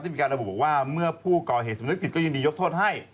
มีการระบุบอกว่าเมื่อผู้ก่อเหตุสำนึกผิดก็ยินดียกโทษให้